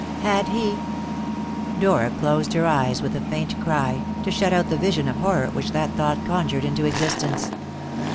Had he Dora closed her eyes with a faint cry, to shut out the vision of horror which that thought conjured into existence.